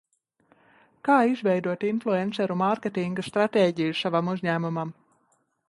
Kā izveidot influenceru mārketinga stratēģiju savam uzņēmumam?